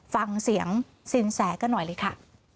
ฟังเสียงสินแสกันหน่อยเลยค่ะ